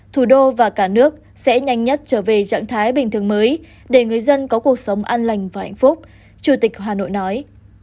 thủ đô và cả nước sẽ nhanh nhất trở về trạng thái bình thường mới để người dân có cuộc sống an lành và hạnh phúc chủ tịch hà nội nói